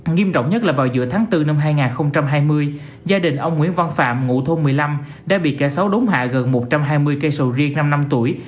nghiêm trọng nhất là vào giữa tháng bốn năm hai nghìn hai mươi gia đình ông nguyễn văn phạm ngụ thôn một mươi năm đã bị kẻ xấu đốn hạ gần một trăm hai mươi cây sầu riêng năm năm tuổi